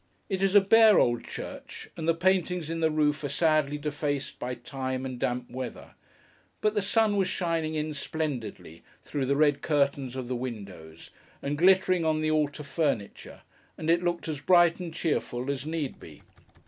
It is a bare old church, and the paintings in the roof are sadly defaced by time and damp weather; but the sun was shining in, splendidly, through the red curtains of the windows, and glittering on the altar furniture; and it looked as bright and cheerful as need be.